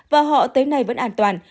và họ tới nay vẫn an toàn